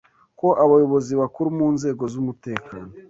ko abayobozi bakuru mu nzego z’umutekano